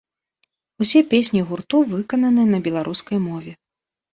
Усе песні гурту выкананы на беларускай мове.